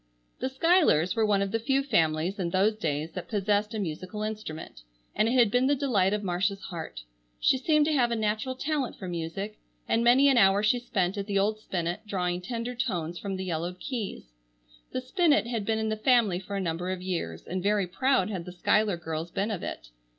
The Schuylers were one of the few families in those days that possessed a musical instrument, and it had been the delight of Marcia's heart. She seemed to have a natural talent for music, and many an hour she spent at the old spinet drawing tender tones from the yellowed keys. The spinet had been in the family for a number of years and very proud had the Schuyler girls been of it.